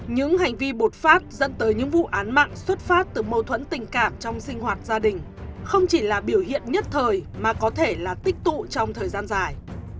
những hành vi bột phát dẫn tới những vụ án mạng xuất phát từ mâu thuẫn tình cảm trong sinh hoạt gia đình không chỉ là biểu hiện nhất thời mà có thể là tích tụ trong thời gian dài